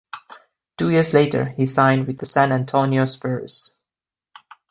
Two years later, he signed with the San Antonio Spurs.